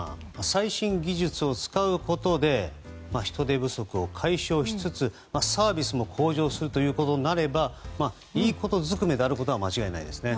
最新技術を使うことで人手不足を解消しつつサービスも向上することになればいいことずくめであることは間違いないですね。